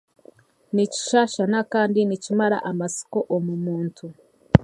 Nikisaasana kandi nikimara amasiko omu muntu.